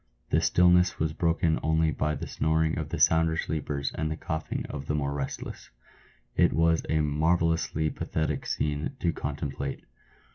The stillness was broken only by the snoring of the sounder sleepers and the coughing of the more restless. It was a marvellously pathetic scene to contemplate.